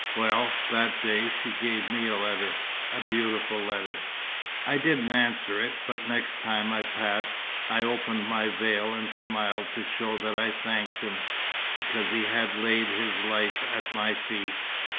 Well, that day she gave me a letter a beautiful letter. "I didn't answer it; but next time I passed, I opened my veil and smiled to show that I thanked him. Because he had laid his life at my feet.